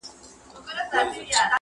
o باد د غرونو له منځه راځي,